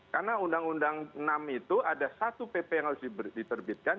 karena undang undang enam itu ada satu pp yang harus diterbitkan